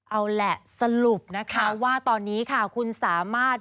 เอาล่ะสรุปนะคะว่าตอนนี้ค่ะคุณสามารถ